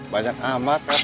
banyak amat rete